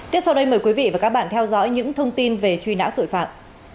tiếp sau đây mời quý vị và các bạn theo dõi những thông tin về truy nã tội phạm